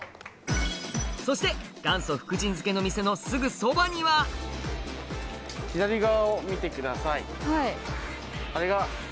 そして元祖福神漬の店のすぐそばには左側を見てください。